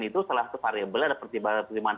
itu salah satu variable adalah pertimbangan